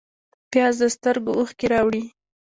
پیاز د سترګو اوښکې راوړي